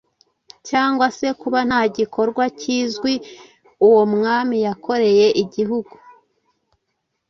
cyangwa se kuba nta gikorwa kizwi uwo mwami yakoreye igihugu.